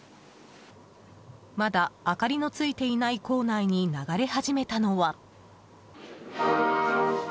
まだ明かりのついていない校内に流れ始めたのは。